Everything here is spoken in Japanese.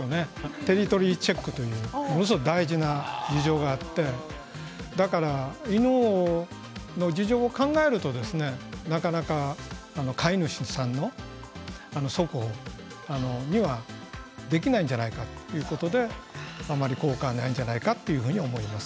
テリトリーチェックというものが大事な事情があって犬の事情を考えるとなかなか飼い主さんの速歩にはできないんじゃないかということで、あまり効果はないんじゃないかと思います。